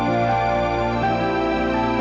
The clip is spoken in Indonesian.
tapi siapa itu sebelumnya